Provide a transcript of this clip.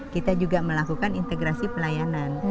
kita juga melakukan integrasi pelayanan